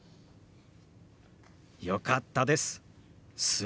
よかったです。